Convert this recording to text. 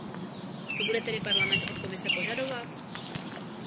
Co bude tedy Parlament od Komise požadovat?